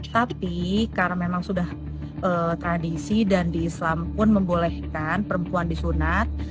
tapi karena memang sudah tradisi dan di islam pun membolehkan perempuan disunat